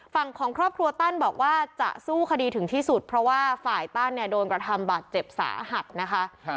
ฝั่งของครอบครัวตั้นบอกว่าจะสู้คดีถึงที่สุดเพราะว่าฝ่ายตั้นเนี่ยโดนกระทำบาดเจ็บสาหัสนะคะ